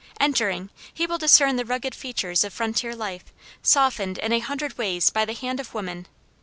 Entering he will discern the rugged features of frontier life softened in a hundred ways by the hand of woman.